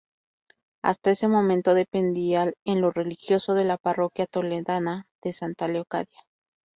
Hasta ese momento dependía en lo religioso de la parroquia toledana de Santa Leocadia.